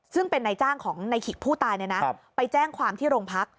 ซึ่งเป็นนายจ้างของในขิกผู้ตายไปแจ้งความที่โรงพัก